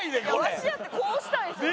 わしだってこうしたいですよ。